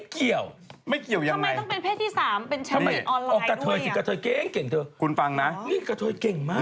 อ๋อกระเทยสิกระเทยเก่งเก่งเถอะคุณฟังนะนี่กระเทยเก่งมาก